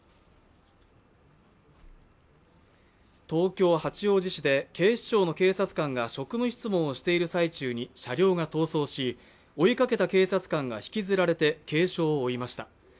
東京・八王子市で警視庁の警察官が職務質問をしている最中に車両が逃走し、追いかけた警察官が引きずられて軽傷を負いました。